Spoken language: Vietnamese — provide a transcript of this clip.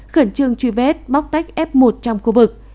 khẩn trương truy vết bóc tách f một trong khu vực